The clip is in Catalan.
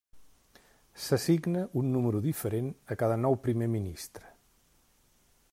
S'assigna un número diferent a cada nou Primer Ministre.